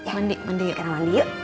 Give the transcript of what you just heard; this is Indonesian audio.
mandi mandi kita mandi yuk